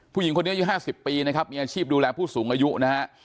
ผู้หญิงคนนี้อายุ๕๐ปีนะครับมีอาชีพดูแลผู้สูงอายุนะฮะ